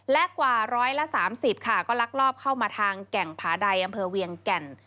แลกกว่าร้อยละสามสิบค่ะก็ลักลอบเข้ามาทางแก่งพาดัยอำเภอเวียงแก่น